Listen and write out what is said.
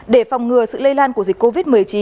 để phòng ngừa sự lây lan của dịch covid một mươi chín